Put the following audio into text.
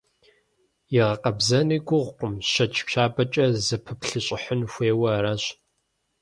И гъэкъэбзэнри гугъукъым: щэкӏ щабэкӏэ зэпыплъэщӏыхьын хуейуэ аращ.